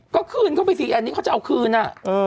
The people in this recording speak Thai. ก็คืนเข้าไปสิอันนี้เขาจะเอาคืนอ่ะ